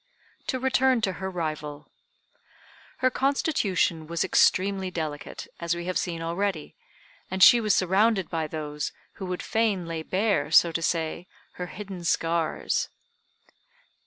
To return to her rival. Her constitution was extremely delicate, as we have seen already, and she was surrounded by those who would fain lay bare, so to say, her hidden scars.